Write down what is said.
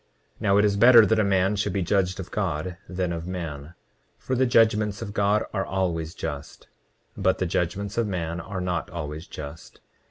29:12 Now it is better that a man should be judged of God than of man, for the judgments of God are always just, but the judgments of man are not always just.